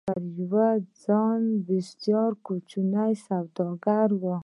هغه يو پر ځان بسيا کوچنی سوداګر و.